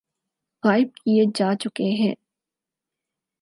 غائب کئے جا چکے ہیں